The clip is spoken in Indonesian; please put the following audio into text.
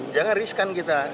jangan riskan kita